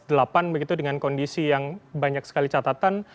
begitu dengan kondisi yang banyak sekali catatan